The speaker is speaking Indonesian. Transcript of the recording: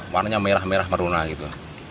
warnanya merah merah meruna gitu